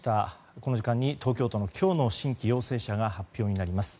この時間に東京都の今日の新規陽性者が発表になります。